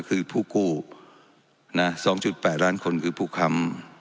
คือผู้กู้นะสองจุดแปดล้านคนคือผู้คำ